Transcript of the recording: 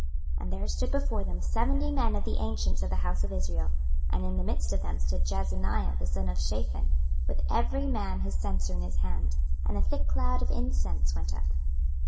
26:008:011 And there stood before them seventy men of the ancients of the house of Israel, and in the midst of them stood Jaazaniah the son of Shaphan, with every man his censer in his hand; and a thick cloud of incense went up.